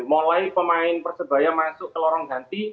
mulai pemain persebaya masuk ke lorong ganti